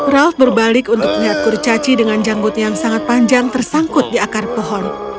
ralf berbalik untuk melihat kurcaci dengan janggut yang sangat panjang tersangkut di akar pohon